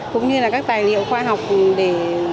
cũng như là các tài liệu khoa học để